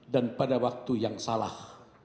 dan pada waktu yang salah